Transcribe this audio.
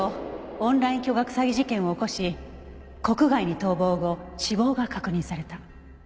オンライン巨額詐欺事件を起こし国外に逃亡後死亡が確認された。